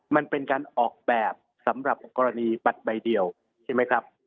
มันเป็นการออกแบบสำหรับกรณีบัตรใบเดียวใช่ไหมครับ